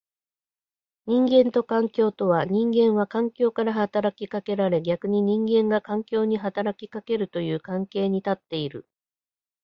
人間と環境とは、人間は環境から働きかけられ逆に人間が環境に働きかけるという関係に立っている。